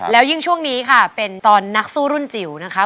แล้วยิ่งช่วงนี้ค่ะเป็นตอนนักสู้รุ่นจิ๋วนะคะ